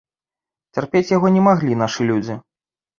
Цярпець яго не маглі нашы людзі.